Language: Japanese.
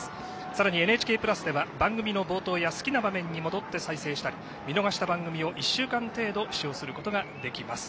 さらにＮＨＫプラスでは番組の冒頭や好きな場面に戻って再生したり見逃した番組を１週間程度視聴することができます。